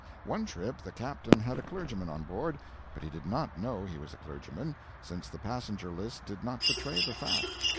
One trip the captain had a clergyman on board, but did not know he was a clergyman, since the passenger list did not betray the fact.